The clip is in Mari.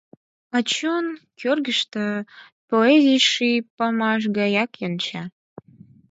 А чон кӧргыштӧ поэзий ший памаш гаяк йонча.